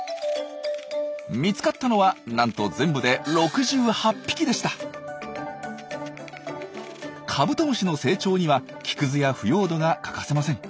見つかったのはなんと全部でカブトムシの成長には木くずや腐葉土が欠かせません。